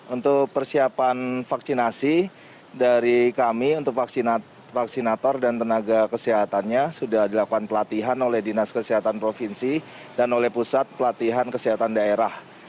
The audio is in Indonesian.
untuk persiapan vaksinasi dari kami untuk vaksinator dan tenaga kesehatannya sudah dilakukan pelatihan oleh dinas kesehatan provinsi dan oleh pusat pelatihan kesehatan daerah